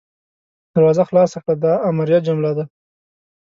دروازه خلاصه کړه – دا امریه جمله ده.